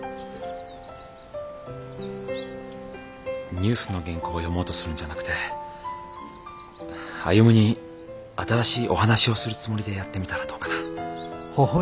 ニュースの原稿を読もうとするんじゃなくて歩に新しいお話をするつもりでやってみたらどうかな。